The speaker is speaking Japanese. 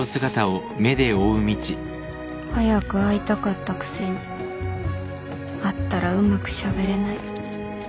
早く会いたかったくせに会ったらうまくしゃべれない